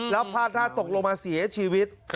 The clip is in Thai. แล้วพลาดท่าตกลงมาเสียชีวิต